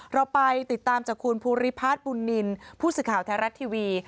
เราไปติดตามจากคุณภูริพัฒน์บุญนินผู้สื่อข่าวไทยรัฐทีวี